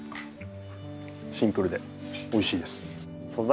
シンプルで美味しいです。